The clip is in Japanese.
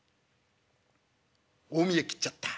大見得切っちゃった。